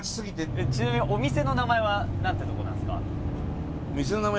ちなみにお店の名前はなんていうとこなんですか？